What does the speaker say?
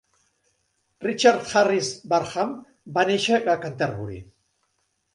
Richard Harris Barham va néixer a Canterbury.